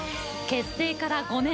結成から５年。